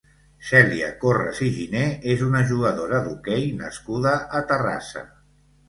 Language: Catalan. Cèlia Corres i Giner és una jugadora d'hoquei nascuda a Terrassa.